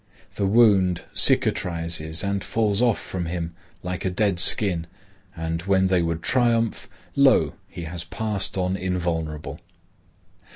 The wound cicatrizes and falls off from him like a dead skin and when they would triumph, lo! he has passed on invulnerable.